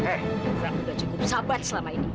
sudah cukup sabar selama ini